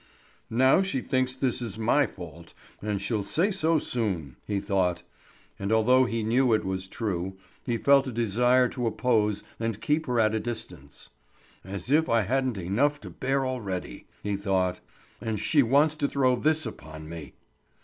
"Now she thinks this is my fault, and she'll say so soon!" he thought; and although he knew it was true, he felt a desire to oppose and keep her at a distance. "As if I hadn't enough to bear already!" he thought. "And she wants to throw this upon me!"